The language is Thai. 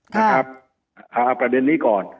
เอาประเด็นนี้ก่อน